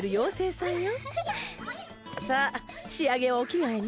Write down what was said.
さあ仕上げはお着替えね。